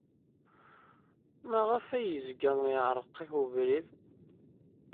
Maɣef ay yezga iɛerreq-ak ubrid?